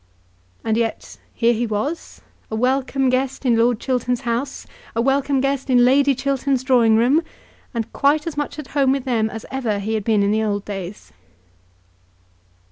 And yet here he was, a welcome guest in Lord Chiltern's house, a welcome guest in Lady Chiltern's drawing room, and quite as much at home with them as ever he had been in the old days.